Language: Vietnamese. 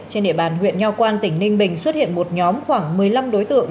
trên địa bàn huyện nho quan tỉnh ninh bình xuất hiện một nhóm khoảng một mươi năm đối tượng